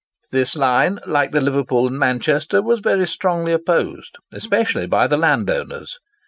This line, like the Liverpool and Manchester, was very strongly opposed, especially by the landowners.